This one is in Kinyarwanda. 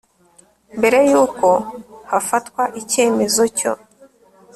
mbere y uko hafatwa icyemezo cyo